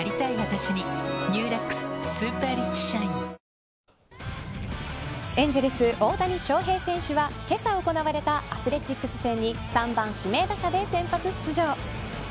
お化けフォーク⁉エンゼルス、大谷翔平選手はけさ行われたアスレチックス戦に３番指名打者で先発出場。